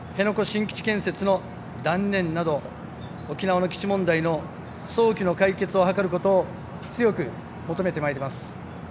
新基地建設の断念など沖縄の基地問題の早期の解決を図ることを強く求めてまいります。